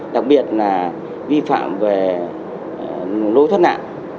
đặc biệt là vi phạm về lối thoát nạn